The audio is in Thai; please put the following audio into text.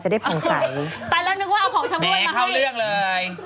จะได้ผ่องใสแหมเข้าเรื่องเลย